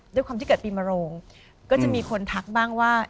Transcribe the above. ด้วยความที่เกิดปีมโรงก็จะมีคนทักบ้างว่า